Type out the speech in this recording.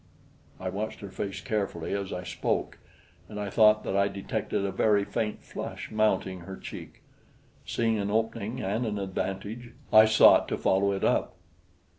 I watched her face carefully as I spoke, and I thought that I detected a very faint flush mounting her cheek. Seeing an opening and an advantage, I sought to follow it up.